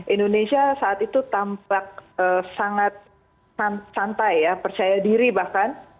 indonesia saat itu tampak sangat santai ya percaya diri bahkan